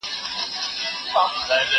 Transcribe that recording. کېدای سي وخت لنډ وي؟!